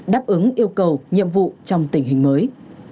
đáp ứng yêu cầu nhiệm vụ trong tình hình mới